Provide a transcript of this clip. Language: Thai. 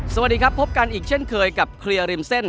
สวัสดีครับพบกันอีกเช่นเคยกับเคลียร์ริมเส้น